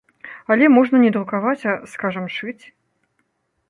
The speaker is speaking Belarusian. Але можна не друкаваць, а, скажам, шыць.